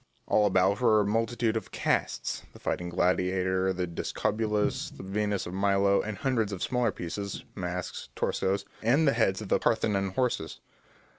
All about were a multitude of casts, the fighting gladiator, the discobulus, the Venus of Milo, and hundreds of smaller pieces, masks, torsos, and the heads of the Parthenon horses.